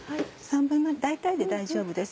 大体で大丈夫です。